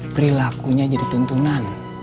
prilakunya jadi tuntunan